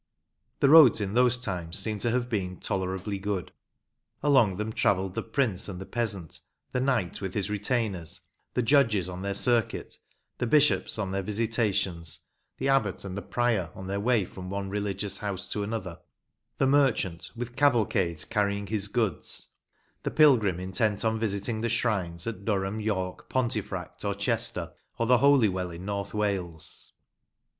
The roads in those times seem to have been tolerably good. Along them travelled the prince and 58 MEMORIALS OF OLD LANCASHIRE the peasant, the knight with his retainers, the judges on their circuit, the bishops on their visitations, the abbot and prior on their way from one religious house to another, the merchant with the cavalcades carrying his goods, the pilgrim intent on visiting the shrines at Durham, York, Pontefract, or Chester, or the Holy Well in North Wales.